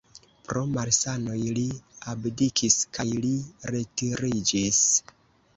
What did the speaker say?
Pro malsanoj li abdikis kaj li retiriĝis.